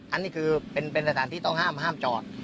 อันนี้คือเป็นสถานที่ต้องห้ามห้ามจอด